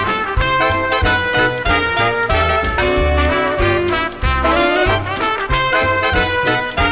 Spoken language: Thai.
สวัสดีครับสวัสดีครับ